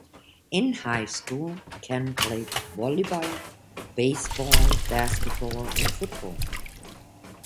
In High School, Ken played volleyball, baseball, basketball, and football.